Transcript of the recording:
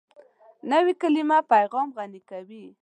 نوې کلیمه پیغام غني کوي